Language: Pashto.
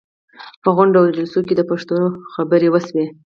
په غونډو او جلسو کې دې پښتو خبرې وشي.